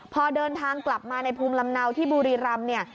พอเดินทางกลับมาในภูมิลำเนาที่บุรีรำเนี่ย